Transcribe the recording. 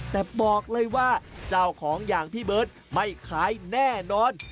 แต่บอกเลยว่าเจ้าของอย่างพี่เบิร์ตไม่ขายแน่นอน